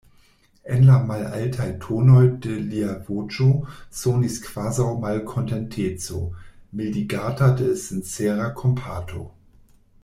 En la malaltaj tonoj de lia voĉo sonis kvazaŭ malkontenteco, mildigata de sincera kompato!